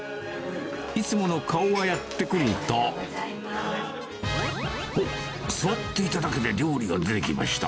いつもの顔がやって来ると、おっ、座っていただけで料理が出てきました。